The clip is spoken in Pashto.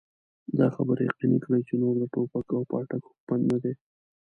دا خبره يقيني کړي چې نور د ټوپک او پاټک حکومت نه دی.